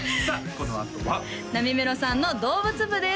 このあとはなみめろさんの動物部です